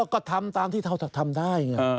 ก็ทำตามที่เราทำได้ไง